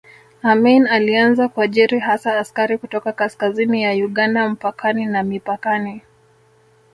Amin alianza kuajiri hasa askari kutoka kaskazini ya Uganda mpakani na mipakani